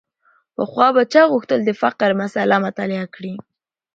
پخوا به چا غوښتل د فقر مسأله مطالعه کړي.